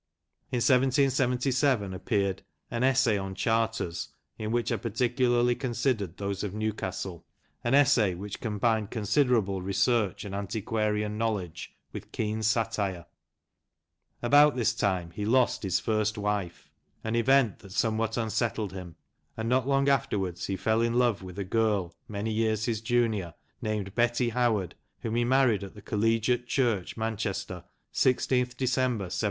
In 1777, appeared "An Essay on Charters, in which are particularly con sidered those of Newcastle," an essay which combined considerable research and antiquarian knowledge with keen satire. About this time THE CHILDREN OF TIM BOBBIN. 121 he lost his first wife, an event that somewhat unsettled him, and, not long afterwards, he fell in love with a girl, many years his junior, named Betty Howard, whom he married at the Collegiate Church, Manchester, i6th December, 1777.